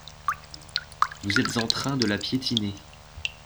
Vous êtes en train de la piétiner.